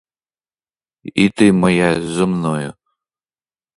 І ти моя, зо мною.